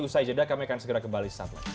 usai jeda kami akan segera kembali